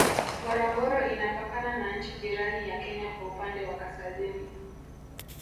Ngorongoro inapakana na nchi jirani ya Kenya kwa upande wa Kaskazini